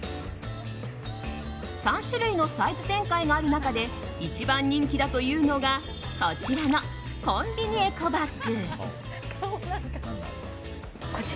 ３種類のサイズ展開がある中で一番人気だというのがこちらのコンビニエコバッグ。